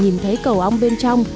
nhìn thấy cầu ong bên trong